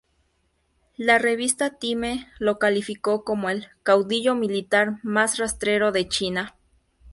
La revista Time lo calificó como el "caudillo militar más rastrero" de China.